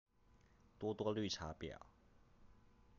多多綠茶婊